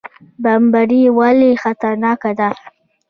بمبړې ولې خطرناکه ده؟